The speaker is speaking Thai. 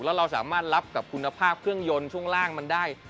แล้วเราสามารถรับกับคุณภาพเครื่องยนต์ช่วงล่างมันได้